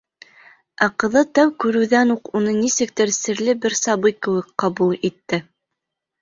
Ә ҡыҙы тәү күреүҙән үк уны нисектер серле бер сабый кеүек ҡабул итте.